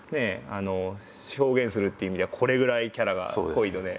あの表現するっていう意味ではこれぐらいキャラが濃いとね